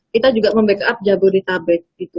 kita juga membackup jabodetabek gitu